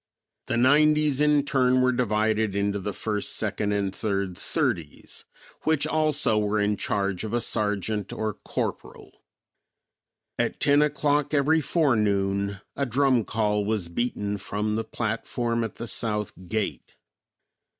The nineties, in turn, were divided into the first, second and third thirties, which also were in charge of a sergeant or corporal. At ten o'clock every forenoon a drum call was beaten from the platform at the south gate.